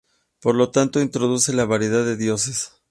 Por lo tanto introduce la variedad de dioses.